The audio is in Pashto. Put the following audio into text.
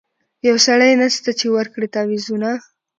یو سړی نسته چي ورکړي تعویذونه